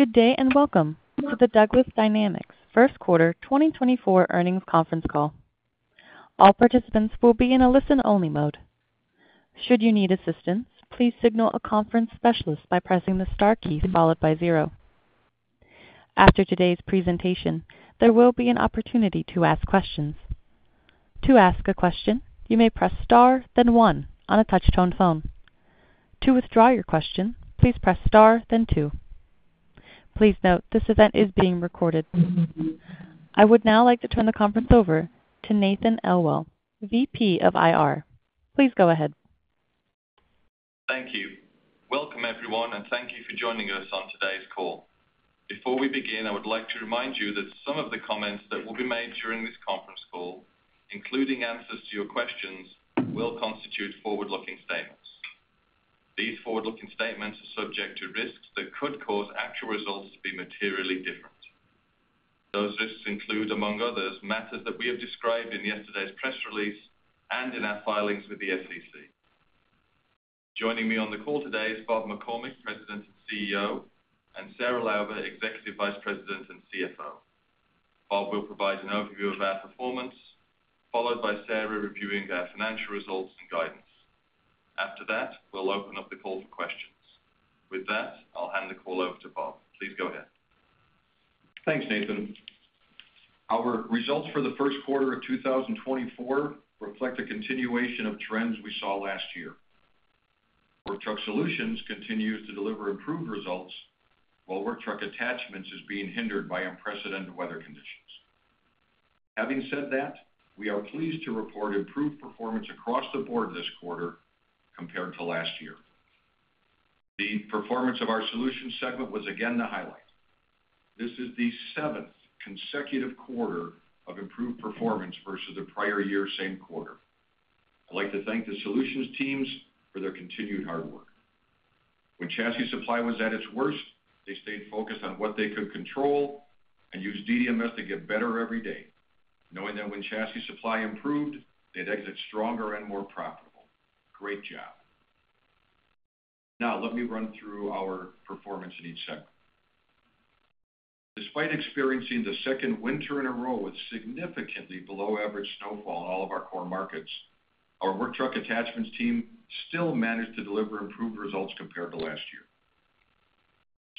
Good day, and welcome to the Douglas Dynamics First Quarter 2024 earnings conference call. All participants will be in a listen-only mode. Should you need assistance, please signal a conference specialist by pressing the star key followed by zero. After today's presentation, there will be an opportunity to ask questions. To ask a question, you may press star, then one on a touch-tone phone. To withdraw your question, please press Star, then two. Please note, this event is being recorded. I would now like to turn the conference over to Nathan Elwell, VP of IR. Please go ahead. Thank you. Welcome, everyone, and thank you for joining us on today's call. Before we begin, I would like to remind you that some of the comments that will be made during this conference call, including answers to your questions, will constitute forward-looking statements. These forward-looking statements are subject to risks that could cause actual results to be materially different. Those risks include, among others, matters that we have described in yesterday's press release and in our filings with the SEC. Joining me on the call today is Bob McCormick, President and CEO, and Sarah Lauber, Executive Vice President and CFO. Bob will provide an overview of our performance, followed by Sarah reviewing our financial results and guidance. After that, we'll open up the call for questions. With that, I'll hand the call over to Bob. Please go ahead. Thanks, Nathan. Our results for the first quarter of 2024 reflect a continuation of trends we saw last year, where Work Truck Solutions continues to deliver improved results, while Work Truck Attachments is being hindered by unprecedented weather conditions. Having said that, we are pleased to report improved performance across the board this quarter compared to last year. The performance of our Solutions segment was again, the highlight. This is the seventh consecutive quarter of improved performance versus the prior year same quarter. I'd like to thank the Solutions teams for their continued hard work. When chassis supply was at its worst, they stayed focused on what they could control and used DDMS to get better every day, knowing that when chassis supply improved, they'd exit stronger and more profitable. Great job! Now, let me run through our performance in each segment. Despite experiencing the second winter in a row with significantly below average snowfall in all of our core markets, our Work Truck Attachments team still managed to deliver improved results compared to last year.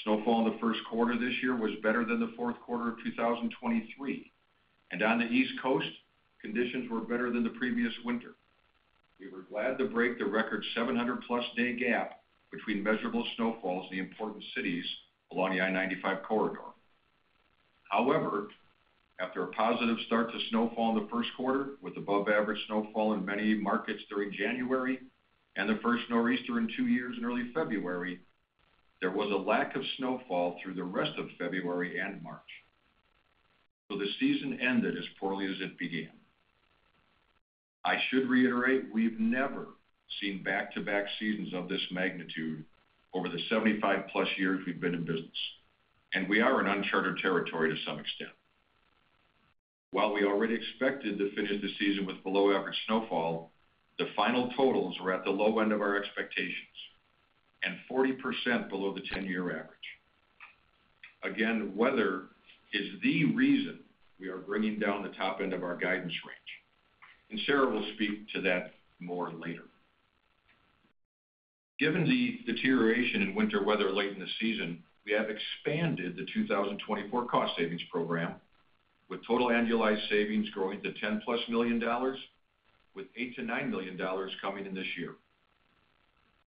Snowfall in the first quarter this year was better than the fourth quarter of 2023, and on the East Coast, conditions were better than the previous winter. We were glad to break the record 700+ day gap between measurable snowfalls in the important cities along the I-95 corridor. However, after a positive start to snowfall in the first quarter, with above average snowfall in many markets during January and the first nor'easter in 2 years in early February, there was a lack of snowfall through the rest of February and March, so the season ended as poorly as it began. I should reiterate, we've never seen back-to-back seasons of this magnitude over the 75+ years we've been in business, and we are in uncharted territory to some extent. While we already expected to finish the season with below average snowfall, the final totals were at the low end of our expectations and 40% below the 10-year average. Again, weather is the reason we are bringing down the top end of our guidance range, and Sarah will speak to that more later. Given the deterioration in winter weather late in the season, we have expanded the 2024 cost savings program, with total annualized savings growing to $10+ million, with $8 million-$9 million coming in this year.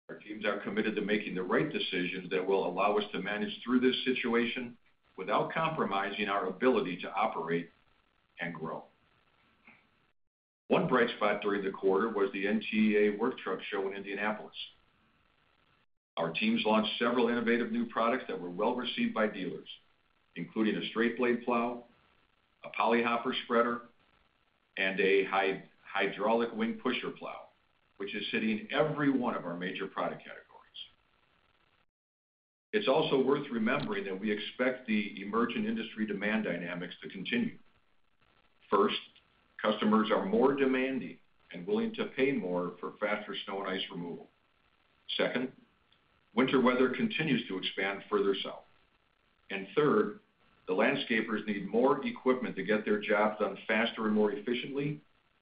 Our teams are committed to making the right decisions that will allow us to manage through this situation without compromising our ability to operate and grow. One bright spot during the quarter was the NTEA Work Truck Show in Indianapolis. Our teams launched several innovative new products that were well received by dealers, including a straight blade plow, a poly hopper spreader, and a hydraulic wing pusher plow, which is sitting in every one of our major product categories. It's also worth remembering that we expect the emerging industry demand dynamics to continue. First, customers are more demanding and willing to pay more for faster snow and ice removal. Second, winter weather continues to expand further south. And third, the landscapers need more equipment to get their jobs done faster and more efficiently,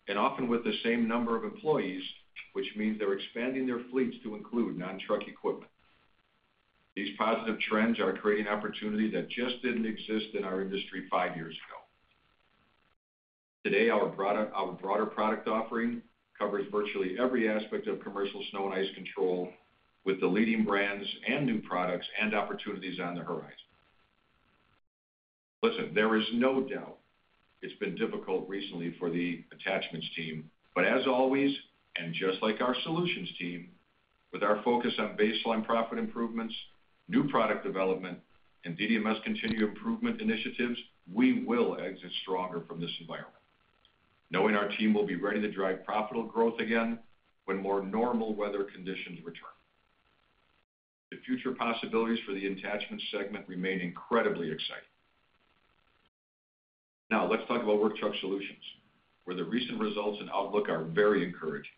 and often with the same number of employees, which means they're expanding their fleets to include non-truck equipment. These positive trends are creating opportunity that just didn't exist in our industry five years ago. Today, our broader product offering covers virtually every aspect of commercial snow and ice control, with the leading brands and new products and opportunities on the horizon. Listen, there is no doubt it's been difficult recently for the attachments team, but as always, and just like our Solutions team, with our focus on baseline profit improvements, new product development, and DDMS continued improvement initiatives, we will exit stronger from this environment, knowing our team will be ready to drive profitable growth again when more normal weather conditions return. The future possibilities for the attachment segment remain incredibly exciting.... Now, let's talk about Work Truck Solutions, where the recent results and outlook are very encouraging.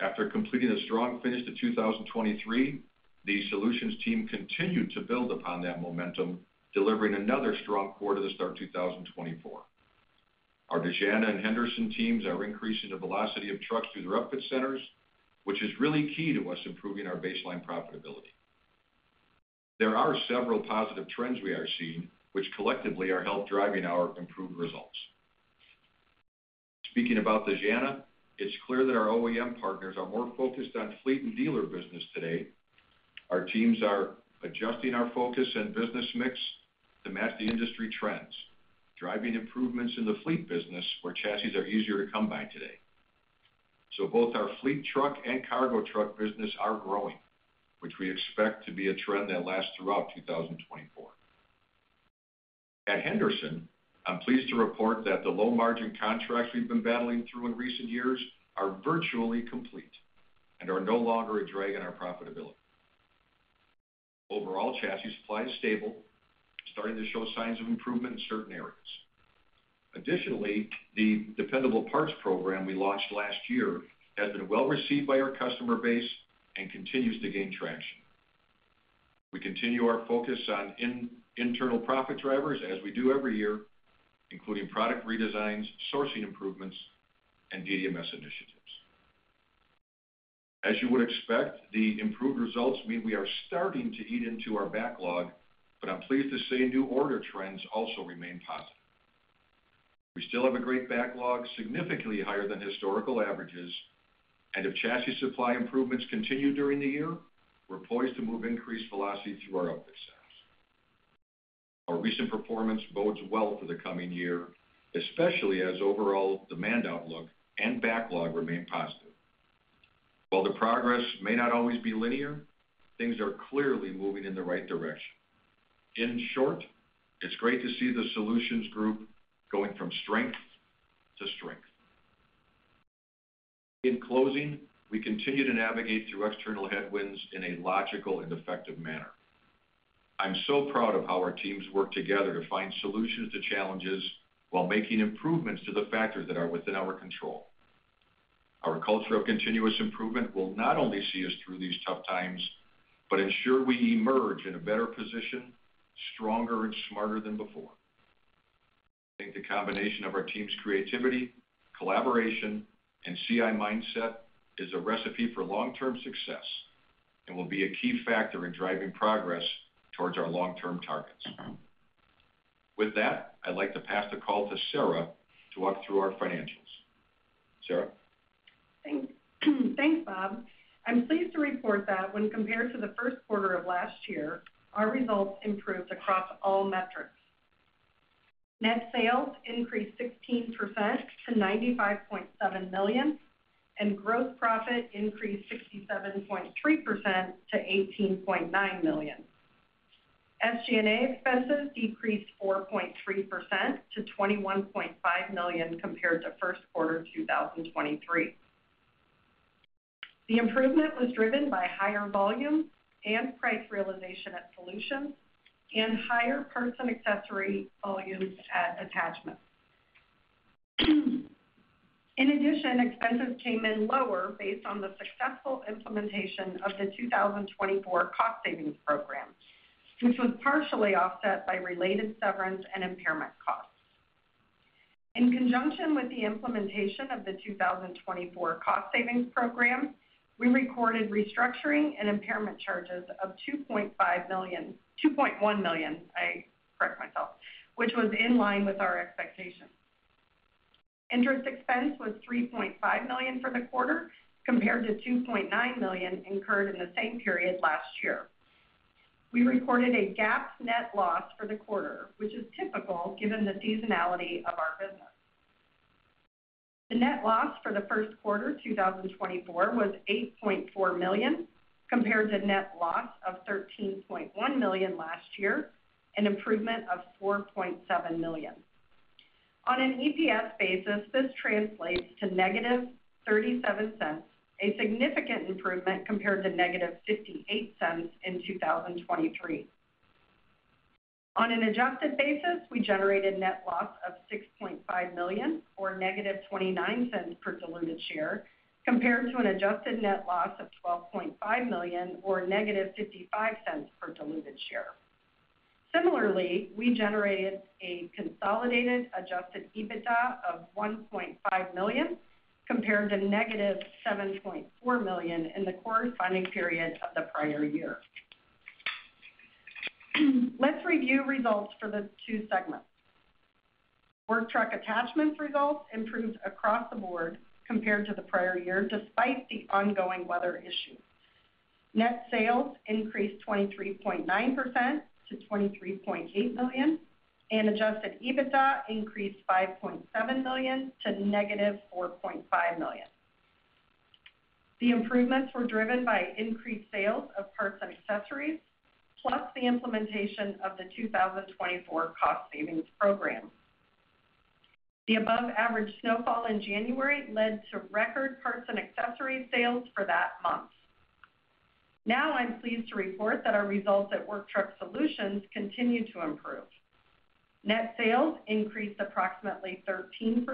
After completing a strong finish to 2023, the Solutions team continued to build upon that momentum, delivering another strong quarter to start 2024. Our and Henderson teams are increasing the velocity of trucks through their upfit centers, which is really key to us improving our baseline profitability. There are several positive trends we are seeing, which collectively are helping drive our improved results. Speaking about Dejana, it's clear that our OEM partners are more focused on fleet and dealer business today. Our teams are adjusting our focus and business mix to match the industry trends, driving improvements in the fleet business where chassis are easier to come by today. So both our fleet truck and cargo truck business are growing, which we expect to be a trend that lasts throughout 2024. At Henderson, I'm pleased to report that the low-margin contracts we've been battling through in recent years are virtually complete and are no longer a drag on our profitability. Overall, chassis supply is stable, starting to show signs of improvement in certain areas. Additionally, the dependable parts program we launched last year has been well received by our customer base and continues to gain traction. We continue our focus on internal profit drivers as we do every year, including product redesigns, sourcing improvements, and DDMS initiatives. As you would expect, the improved results mean we are starting to eat into our backlog, but I'm pleased to say new order trends also remain positive. We still have a great backlog, significantly higher than historical averages, and if chassis supply improvements continue during the year, we're poised to move increased velocity through our upfit centers. Our recent performance bodes well for the coming year, especially as overall demand outlook and backlog remain positive. While the progress may not always be linear, things are clearly moving in the right direction. In short, it's great to see the Solutions group going from strength to strength. In closing, we continue to navigate through external headwinds in a logical and effective manner. I'm so proud of how our teams work together to find solutions to challenges while making improvements to the factors that are within our control. Our culture of continuous improvement will not only see us through these tough times, but ensure we emerge in a better position, stronger and smarter than before. I think the combination of our team's creativity, collaboration, and CI mindset is a recipe for long-term success and will be a key factor in driving progress towards our long-term targets. With that, I'd like to pass the call to Sarah to walk through our financials. Sarah? Thanks. Thanks, Bob. I'm pleased to report that when compared to the first quarter of last year, our results improved across all metrics. Net sales increased 16% to $95.7 million, and gross profit increased 67.3% to $18.9 million. SG&A expenses decreased 4.3% to $21.5 million compared to first quarter 2023. The improvement was driven by higher volume and price realization at Solutions and higher parts and accessory volumes at attachments. In addition, expenses came in lower based on the successful implementation of the 2024 cost savings program, which was partially offset by related severance and impairment costs. In conjunction with the implementation of the 2024 cost savings program, we recorded restructuring and impairment charges of $2.5 million, $2.1 million, I correct myself, which was in line with our expectations. Interest expense was $3.5 million for the quarter, compared to $2.9 million incurred in the same period last year. We recorded a GAAP net loss for the quarter, which is typical given the seasonality of our business. The net loss for the first quarter 2024 was $8.4 million, compared to net loss of $13.1 million last year, an improvement of $4.7 million. On an EPS basis, this translates to -$0.37, a significant improvement compared to -$0.58 in 2023. On an adjusted basis, we generated net loss of $6.5 million, or -$0.29 per diluted share, compared to an adjusted net loss of $12.5 million, or -$0.55 per diluted share. Similarly, we generated a consolidated Adjusted EBITDA of $1.5 million, compared to -$7.4 million in the corresponding period of the prior year. Let's review results for the two segments. Work Truck Attachments results improved across the board compared to the prior year, despite the ongoing weather issues. Net sales increased 23.9% to $23.8 million, and Adjusted EBITDA increased $5.7 million to -$4.5 million. The improvements were driven by increased sales of parts and accessories, plus the implementation of the 2024 cost savings program.... The above average snowfall in January led to record parts and accessory sales for that month. Now I'm pleased to report that our results at Work Truck Solutions continue to improve. Net sales increased approximately 13%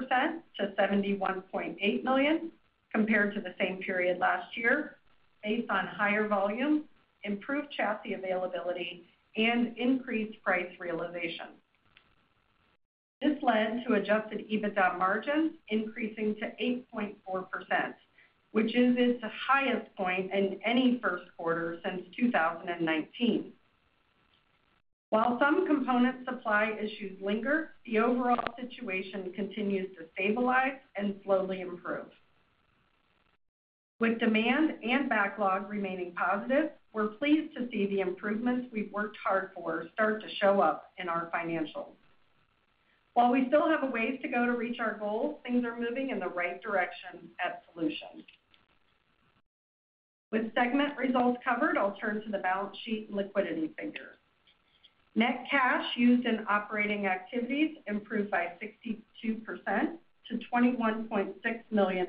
to $71.8 million compared to the same period last year, based on higher volume, improved chassis availability, and increased price realization. This led to Adjusted EBITDA margin increasing to 8.4%, which is its highest point in any first quarter since 2019. While some component supply issues linger, the overall situation continues to stabilize and slowly improve. With demand and backlog remaining positive, we're pleased to see the improvements we've worked hard for start to show up in our financials. While we still have a ways to go to reach our goals, things are moving in the right direction at Solutions. With segment results covered, I'll turn to the balance sheet and liquidity figures. Net cash used in operating activities improved by 62% to $21.6 million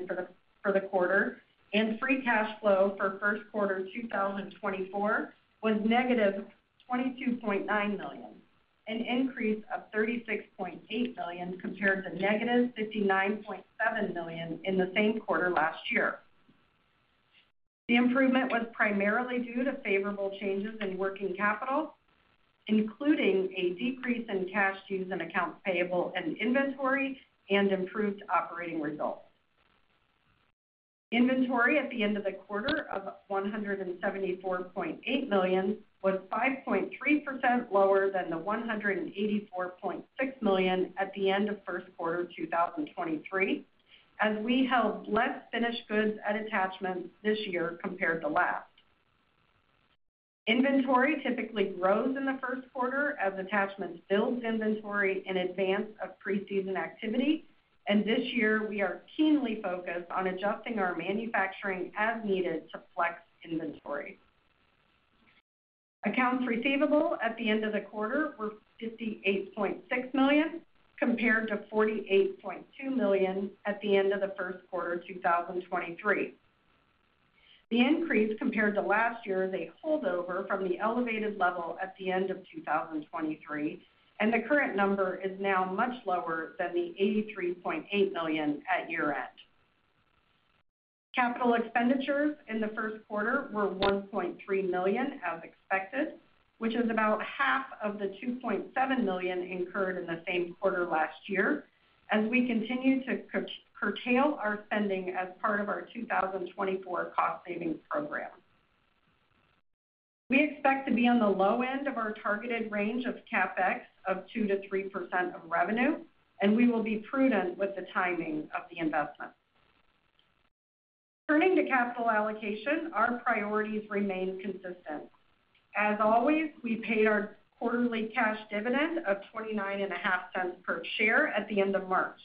for the quarter, and free cash flow for first quarter 2024 was -$22.9 million, an increase of $36.8 million compared to -$59.7 million in the same quarter last year. The improvement was primarily due to favorable changes in working capital, including a decrease in cash use and accounts payable and inventory and improved operating results. Inventory at the end of the quarter of $174.8 million was 5.3% lower than the $184.6 million at the end of first quarter 2023, as we held less finished goods at attachments this year compared to last. Inventory typically grows in the first quarter as attachments build inventory in advance of preseason activity, and this year, we are keenly focused on adjusting our manufacturing as needed to flex inventory. Accounts receivable at the end of the quarter were $58.6 million, compared to $48.2 million at the end of the first quarter 2023. The increase compared to last year is a holdover from the elevated level at the end of 2023, and the current number is now much lower than the $83.8 million at year-end. Capital expenditures in the first quarter were $1.3 million, as expected, which is about half of the $2.7 million incurred in the same quarter last year, as we continue to curtail our spending as part of our 2024 cost savings program. We expect to be on the low end of our targeted range of CapEx of 2%-3% of revenue, and we will be prudent with the timing of the investment. Turning to capital allocation, our priorities remain consistent. As always, we paid our quarterly cash dividend of $0.295 per share at the end of March.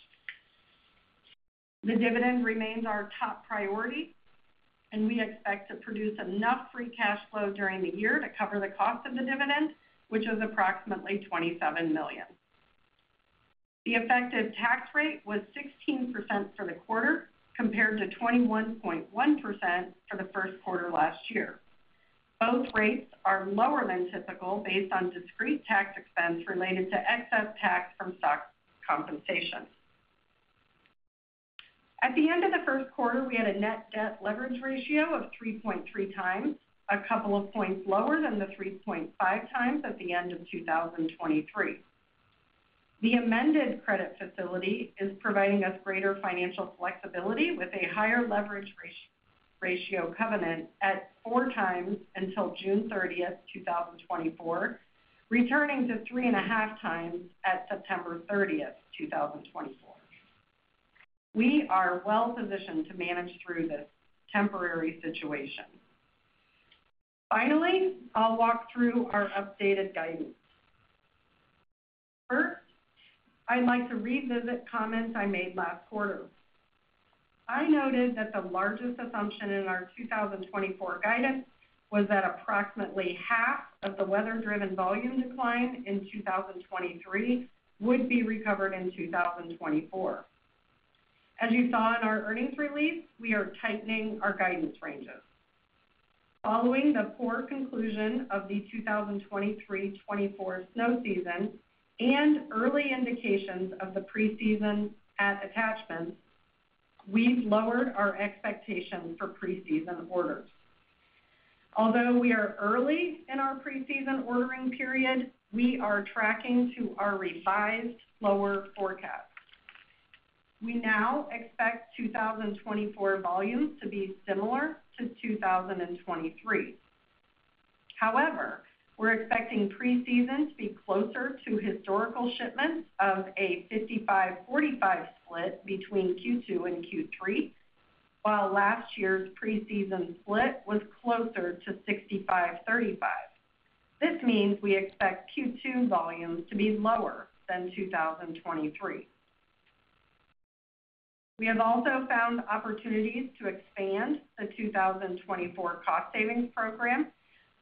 The dividend remains our top priority, and we expect to produce enough free cash flow during the year to cover the cost of the dividend, which is approximately $27 million. The effective tax rate was 16% for the quarter, compared to 21.1% for the first quarter last year. Both rates are lower than typical based on discrete tax expense related to excess tax from stock compensation. At the end of the first quarter, we had a net debt leverage ratio of 3.3x, a couple of points lower than the 3.5x at the end of 2023. The amended credit facility is providing us greater financial flexibility with a higher leverage ratio covenant at 4x until June 30th, 2024, returning to 3.5x at September 30th, 2024. We are well positioned to manage through this temporary situation. Finally, I'll walk through our updated guidance. First, I'd like to revisit comments I made last quarter. I noted that the largest assumption in our 2024 guidance was that approximately half of the weather-driven volume decline in 2023 would be recovered in 2024. As you saw in our earnings release, we are tightening our guidance ranges. Following the poor conclusion of the 2023-2024 snow season and early indications of the preseason at attachments, we've lowered our expectations for preseason orders. Although we are early in our preseason ordering period, we are tracking to our revised lower forecast. We now expect 2024 volumes to be similar to 2023. However, we're expecting preseason to be closer to historical shipments of a 55/45 split between Q2 and Q3, while last year's preseason split was closer to 65/35. This means we expect Q2 volumes to be lower than 2023. We have also found opportunities to expand the 2024 cost savings program,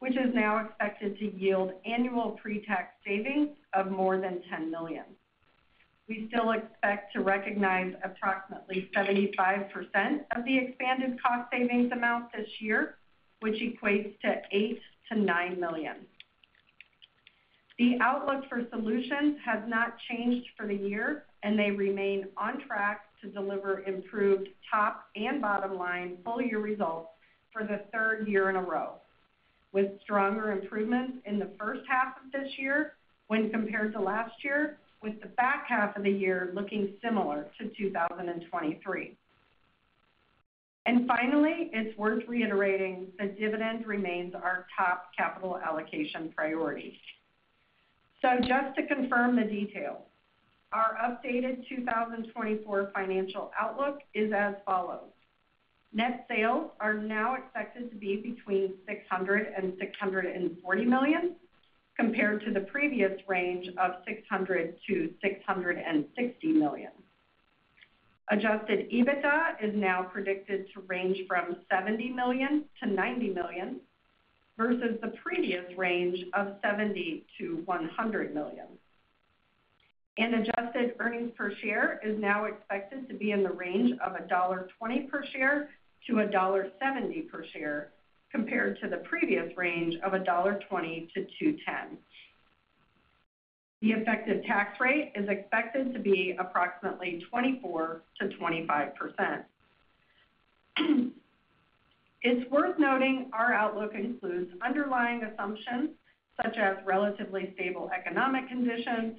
which is now expected to yield annual pre-tax savings of more than $10 million. We still expect to recognize approximately 75% of the expanded cost savings amount this year, which equates to $8 million-$9 million. The outlook for Solutions has not changed for the year, and they remain on track to deliver improved top and bottom line full year results for the third year in a row, with stronger improvements in the first half of this year when compared to last year, with the back half of the year looking similar to 2023. And finally, it's worth reiterating the dividend remains our top capital allocation priority. So just to confirm the details, our updated 2024 financial outlook is as follows: Net sales are now expected to be between $600 million-$640 million, compared to the previous range of $600 million-$660 million. Adjusted EBITDA is now predicted to range from $70 million-$90 million, versus the previous range of $70 million-$100 million. Adjusted earnings per share is now expected to be in the range of $1.20 per share-$1.70 per share, compared to the previous range of $1.20-$2.10. The effective tax rate is expected to be approximately 24%-25%. It's worth noting our outlook includes underlying assumptions such as relatively stable economic conditions,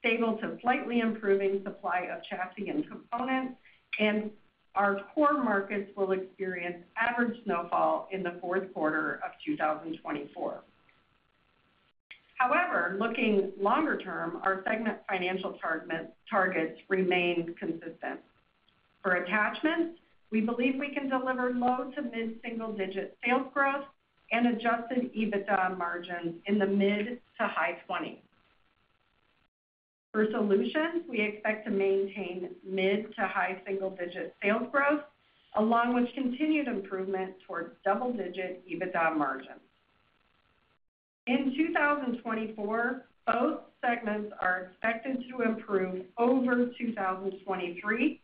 stable to slightly improving supply of chassis and components, and our core markets will experience average snowfall in the fourth quarter of 2024. However, looking longer term, our segment financial targets remain consistent. For attachments, we believe we can deliver low to mid-single-digit sales growth and adjusted EBITDA margins in the mid to high-20s. For Solutions, we expect to maintain mid- to high single-digit sales growth, along with continued improvement towards double-digit EBITDA margins. In 2024, both segments are expected to improve over 2023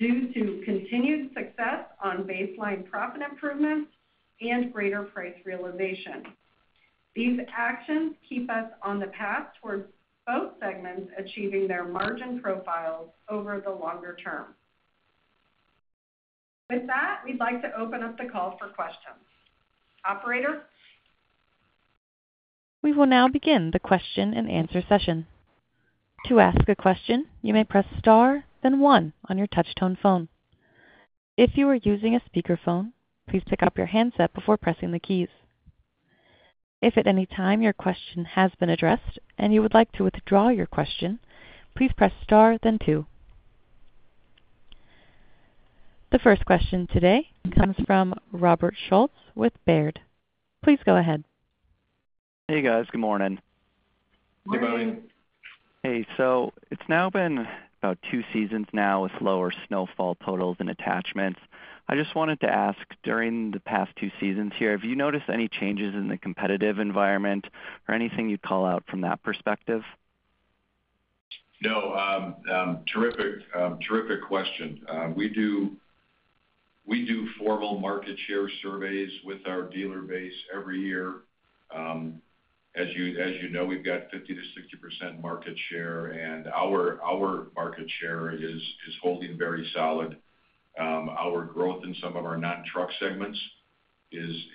due to continued success on baseline profit improvements and greater price realization. These actions keep us on the path towards both segments achieving their margin profiles over the longer term. With that, we'd like to open up the call for questions. Operator? We will now begin the question-and-answer session. To ask a question, you may press star, then one on your touch-tone phone. If you are using a speakerphone, please pick up your handset before pressing the keys. If at any time your question has been addressed and you would like to withdraw your question, please press star then two. The first question today comes from Robert Schultz with Baird. Please go ahead. Hey, guys. Good morning. Good morning. Hey, so it's now been about two seasons now with lower snowfall totals and attachments. I just wanted to ask, during the past two seasons here, have you noticed any changes in the competitive environment or anything you'd call out from that perspective? No, terrific, terrific question. We do formal market share surveys with our dealer base every year. As you know, we've got 50%-60% market share, and our market share is holding very solid. Our growth in some of our non-truck segments is,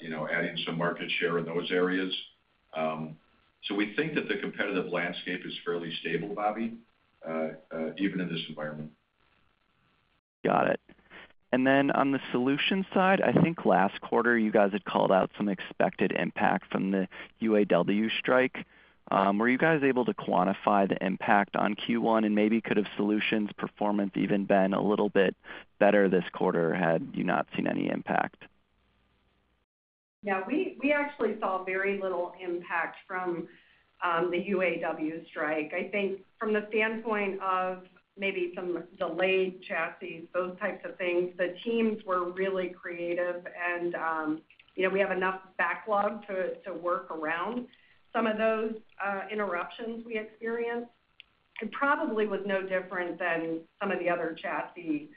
you know, adding some market share in those areas. So we think that the competitive landscape is fairly stable, Bobby, even in this environment. Got it. And then on the Solutions side, I think last quarter, you guys had called out some expected impact from the UAW strike. Were you guys able to quantify the impact on Q1, and maybe could have Solutions performance even been a little bit better this quarter had you not seen any impact? Yeah, we actually saw very little impact from the UAW strike. I think from the standpoint of maybe some delayed chassis, those types of things, the teams were really creative and, you know, we have enough backlog to work around some of those interruptions we experienced. It probably was no different than some of the other chassis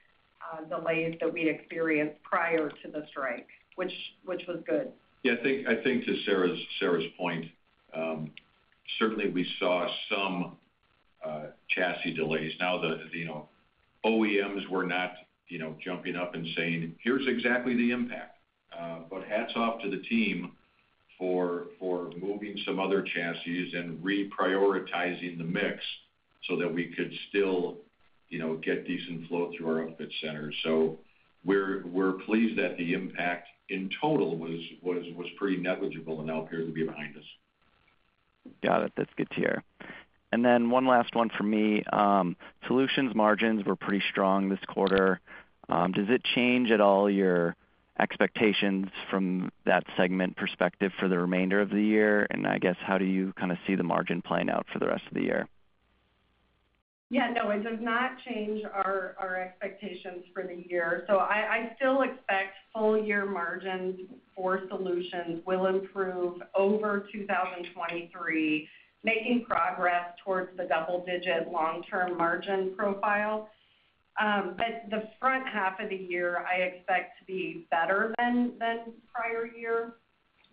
delays that we experienced prior to the strike, which was good. Yeah, I think to Sarah's point, certainly we saw some chassis delays. Now, you know, OEMs were not, you know, jumping up and saying, "Here's exactly the impact." But hats off to the team for moving some other chassis and reprioritizing the mix so that we could still, you know, get decent flow through our upfit centers. So we're pleased that the impact in total was pretty negligible and now appears to be behind us. Got it. That's good to hear. And then one last one for me. Solutions margins were pretty strong this quarter. Does it change at all your expectations from that segment perspective for the remainder of the year? And I guess, how do you kind of see the margin playing out for the rest of the year? Yeah, no, it does not change our expectations for the year. So I still expect full year margins for Solutions will improve over 2023, making progress towards the double-digit long-term margin profile. But the front half of the year, I expect to be better than prior year.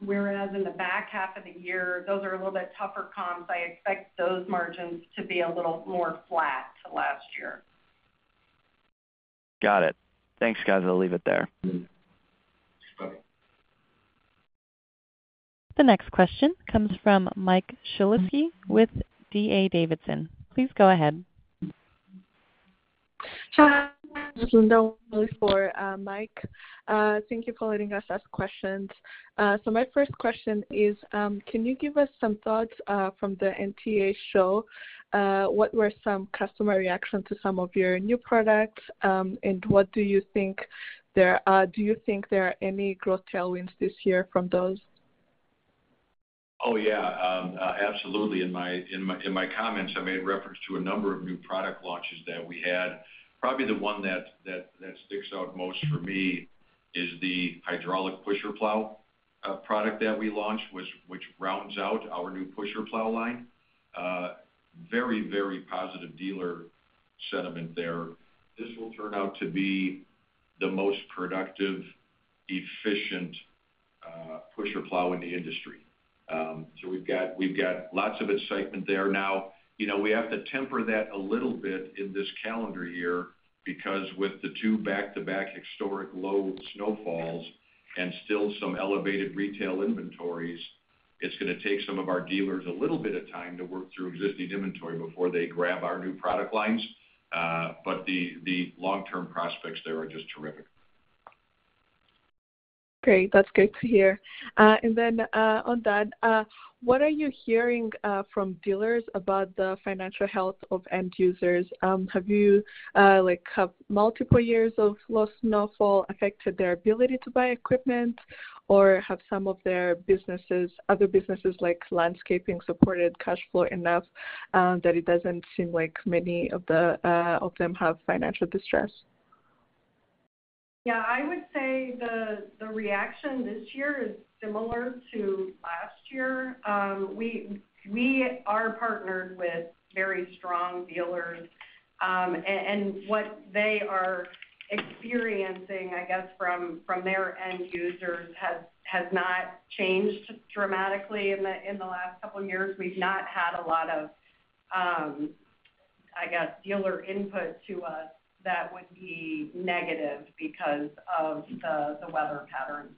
Whereas in the back half of the year, those are a little bit tougher comps. I expect those margins to be a little more flat to last year. Got it. Thanks, guys. I'll leave it there. The next question comes from Mike Shlisky with D.A. Davidson. Please go ahead. Hi, this is for Mike. Thank you for letting us ask questions. My first question is, can you give us some thoughts from the NTEA show? What were some customer reactions to some of your new products, and what do you think—do you think there are any growth tailwinds this year from those? Oh, yeah. Absolutely. In my comments, I made reference to a number of new product launches that we had. Probably the one that sticks out most for me is the hydraulic pusher plow product that we launched, which rounds out our new pusher plow line. Very, very positive dealer sentiment there. This will turn out to be the most productive, efficient pusher plow in the industry. So we've got lots of excitement there. Now, you know, we have to temper that a little bit in this calendar year because with the two back-to-back historic low snowfalls and still some elevated retail inventories, it's going to take some of our dealers a little bit of time to work through existing inventory before they grab our new product lines. But the long-term prospects there are just terrific. Great, that's great to hear. And then, on that, what are you hearing from dealers about the financial health of end users? Have you, like, multiple years of low snowfall affected their ability to buy equipment? Or have some of their businesses, other businesses, like landscaping, supported cash flow enough, that it doesn't seem like many of them have financial distress? Yeah, I would say the reaction this year is similar to last year. We are partnered with very strong dealers, and what they are experiencing, I guess, from their end users has not changed dramatically in the last couple of years. We've not had a lot of, I guess, dealer input to us that would be negative because of the weather patterns.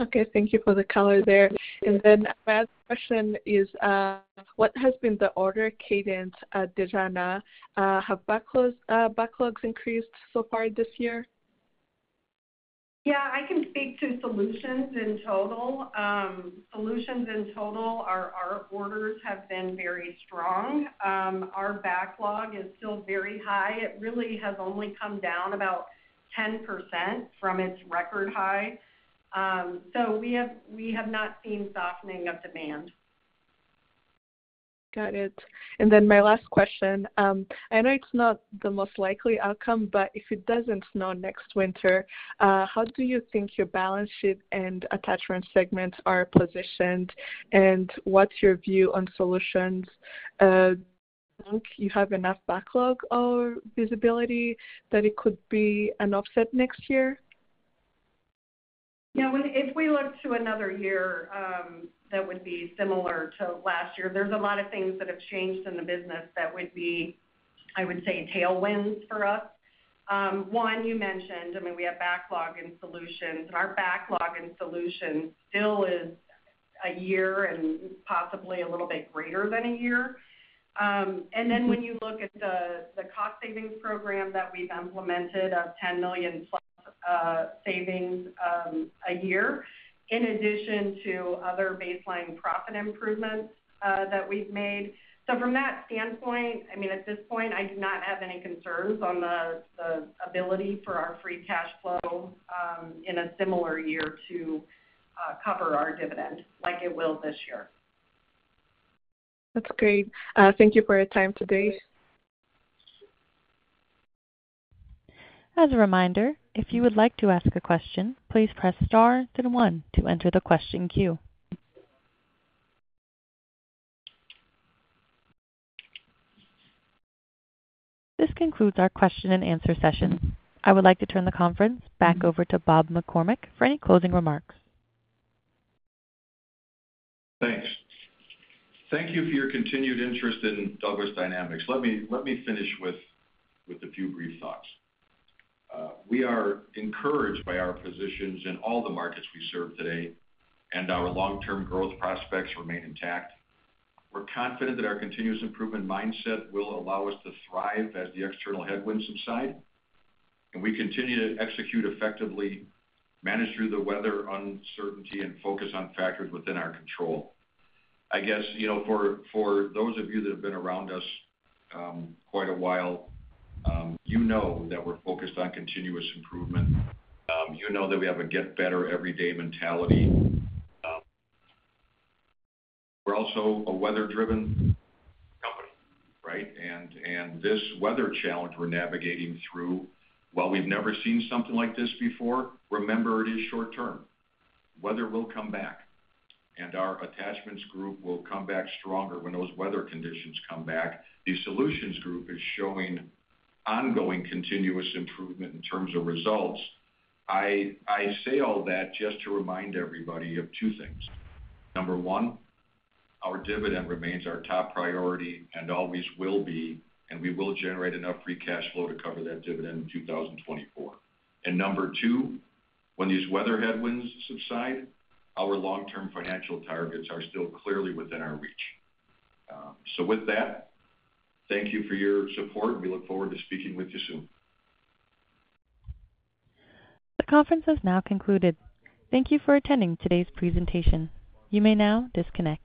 Okay, thank you for the color there. And then my last question is, what has been the order cadence at Dejana? Have backlogs increased so far this year? Yeah, I can speak to Solutions in total. Solutions in total, our, our orders have been very strong. Our backlog is still very high. It really has only come down about 10% from its record high. So we have, we have not seen softening of demand. Got it. And then my last question, I know it's not the most likely outcome, but if it doesn't snow next winter, how do you think your balance sheet and attachment segments are positioned, and what's your view on Solutions? Do you think you have enough backlog or visibility that it could be an offset next year? Yeah, if we look to another year that would be similar to last year, there's a lot of things that have changed in the business that would be, I would say, tailwinds for us. One, you mentioned, I mean, we have backlog in Solutions. Our backlog in Solutions still is a year and possibly a little bit greater than a year. And then when you look at the cost savings program that we've implemented of $10 million+ savings a year, in addition to other baseline profit improvements that we've made. So from that standpoint, I mean, at this point, I do not have any concerns on the ability for our free cash flow in a similar year to cover our dividend like it will this year. That's great. Thank you for your time today. As a reminder, if you would like to ask a question, please press star then one to enter the question queue. This concludes our question and answer session. I would like to turn the conference back over to Bob McCormick for any closing remarks. Thanks. Thank you for your continued interest in Douglas Dynamics. Let me finish with a few brief thoughts. We are encouraged by our positions in all the markets we serve today, and our long-term growth prospects remain intact. We're confident that our continuous improvement mindset will allow us to thrive as the external headwinds subside, and we continue to execute effectively, manage through the weather, uncertainty, and focus on factors within our control. I guess, you know, for those of you that have been around us quite a while, you know that we're focused on continuous improvement. You know that we have a get better every day mentality. We're also a weather-driven company, right? And this weather challenge we're navigating through, while we've never seen something like this before, remember, it is short term. Weather will come back, and our attachments group will come back stronger when those weather conditions come back. The Solutions group is showing ongoing continuous improvement in terms of results. I say all that just to remind everybody of two things. Number one, our dividend remains our top priority and always will be, and we will generate enough free cash flow to cover that dividend in 2024. And number two, when these weather headwinds subside, our long-term financial targets are still clearly within our reach. So with that, thank you for your support. We look forward to speaking with you soon. The conference has now concluded. Thank you for attending today's presentation. You may now disconnect.